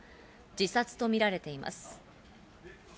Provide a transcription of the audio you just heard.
自殺とみられています。